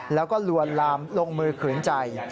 แล้วก็ลวนลามลงมือขืนใจ